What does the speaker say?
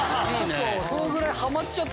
そのぐらい。